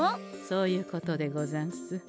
そういうことでござんす。